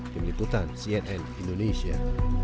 kemiliputan cnn indonesia